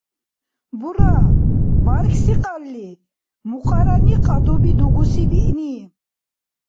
Бура, бархьси кьалли, мукьарани кьадуби дугуси биъни?